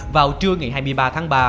vào trưa ngày hai mươi ba tháng ba